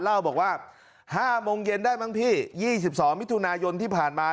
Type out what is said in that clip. เล่าบอกว่า๕โมงเย็นได้มั้งพี่๒๒มิถุนายนที่ผ่านมา